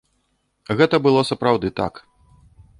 Гэта было сапраўды так.